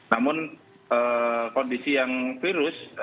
namun kondisi yang virus